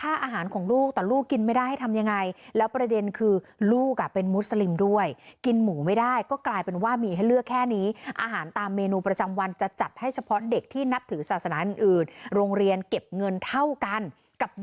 อาหารของลูกแต่ลูกกินไม่ได้ให้ทำยังไงแล้วประเด็นคือลูกอ่ะเป็นมุสลิมด้วยกินหมูไม่ได้ก็กลายเป็นว่ามีให้เลือกแค่นี้อาหารตามเมนูประจำวันจะจัดให้เฉพาะเด็กที่นับถือศาสนาอื่นโรงเรียนเก็บเงินเท่ากันกับ